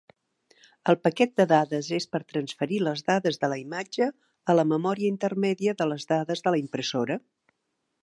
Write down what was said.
El paquet de dades és per transferir les dades de la imatge a la memòria intermèdia de les dades de la impressora.